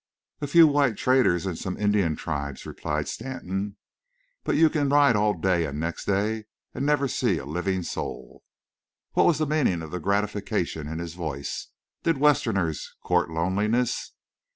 "A few white traders and some Indian tribes," replied Stanton. "But you can ride all day an' next day an' never see a livin' soul." What was the meaning of the gratification in his voice? Did Westerners court loneliness?